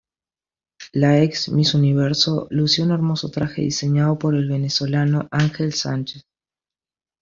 La ex Miss Universo lució un hermoso traje diseñado por el venezolano: Ángel Sánchez.